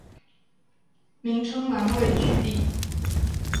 名稱欄位舉例